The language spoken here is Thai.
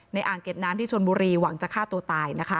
อ่างเก็บน้ำที่ชนบุรีหวังจะฆ่าตัวตายนะคะ